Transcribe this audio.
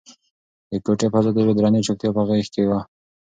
د کوټې فضا د یوې درنې چوپتیا په غېږ کې وه.